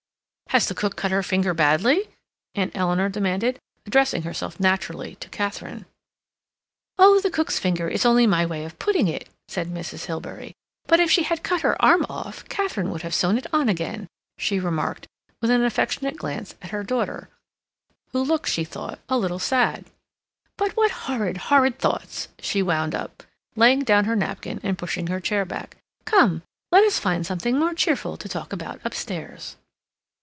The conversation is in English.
"Has the cook cut her finger badly?" Aunt Eleanor demanded, addressing herself naturally to Katharine. "Oh, the cook's finger is only my way of putting it," said Mrs. Hilbery. "But if she had cut her arm off, Katharine would have sewn it on again," she remarked, with an affectionate glance at her daughter, who looked, she thought, a little sad. "But what horrid, horrid thoughts," she wound up, laying down her napkin and pushing her chair back. "Come, let us find something more cheerful to talk about upstairs."